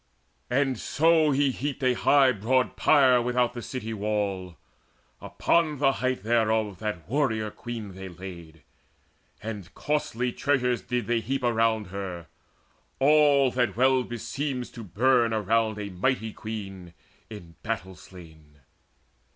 And so he heaped A high broad pyre without the city wall: Upon the height thereof that warrior queen They laid, and costly treasures did they heap Around her, all that well beseems to burn Around a mighty queen in battle slain.